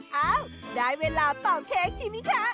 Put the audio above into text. เอ้าได้เวลาต่อเค้กใช่ไหมคะ